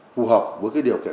phù hợp với cái điều kiện